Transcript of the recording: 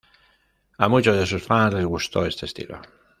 A muchos de sus fans les gustó este estilo.